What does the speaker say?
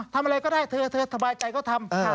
ทำอะไรก็ได้เธอเธอสบายใจก็ทำ